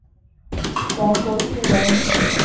王柏心人。